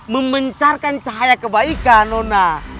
memencarkan cahaya kebaikan nona